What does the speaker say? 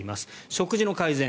食事の改善。